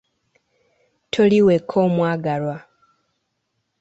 Toli wekka, omwagalwa!